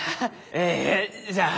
ええじゃあ。